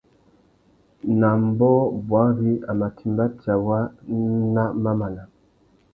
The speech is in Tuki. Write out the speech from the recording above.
Nà ambōh bwari a mà timba tsawá nà mamana.